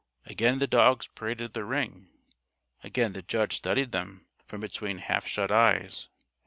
Again the dogs paraded the ring. Again the judge studied them from between half shut eyes.